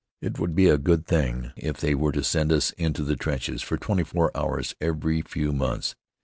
It would be a good thing if they were to send us into the trenches for twenty four hours, every few months.